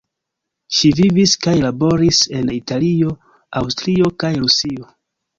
Ŝi vivis kaj laboris en Italio, Aŭstrio, kaj Rusio.